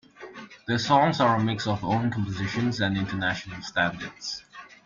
The songs are a mix of own compositions and international standards.